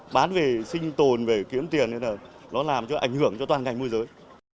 bán về sinh tồn về kiếm tiền nên là nó làm cho ảnh hưởng cho toàn ngành môi giới